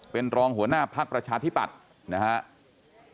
เป็นรองหัวหน้าภักดิ์ประชาธิปัตย์นะครับ